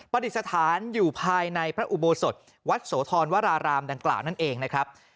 ปฏิสถานอยู่ภายในพระอุโบสถวัดโสธรวรารามดังกล่าวนั่นเองนะครับ